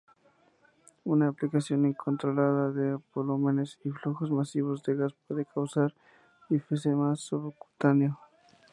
Una aplicación incontrolada de volúmenes y flujos masivos de gas puede causar enfisema subcutáneo.